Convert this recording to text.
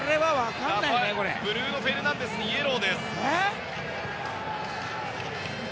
ブルーノ・フェルナンデスにイエローです。